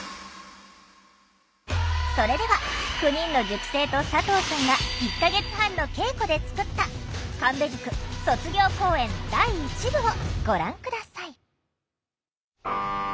それでは９人の塾生と佐藤さんが１か月半の稽古で作った「神戸塾卒業公演第１部」をご覧下さい。